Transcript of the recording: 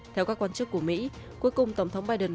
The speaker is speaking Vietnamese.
theo các quan chức của mỹ cuối cùng tổng thống biden